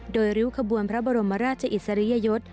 โดยริ้วขบวนพระบรมราชอิสริยยศ